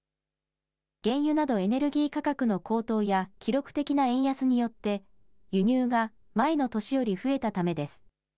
原油などエネルギー価格の高騰や、記録的な円安によって、輸入が前の年より増えたためです。